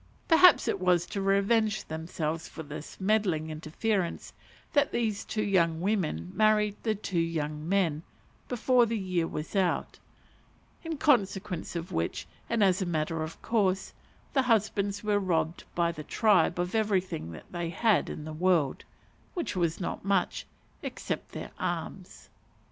Perhaps it was to revenge themselves for this meddling interference that these two young women married the two young men before the year was out; in consequence of which, and as a matter of course, the husbands were robbed by the tribe of everything they had in the world (which was not much), except their arms.